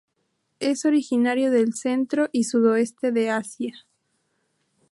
Es originario del centro y sudoeste de Asia.